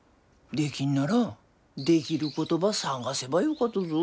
できんならできることば探せばよかとぞ。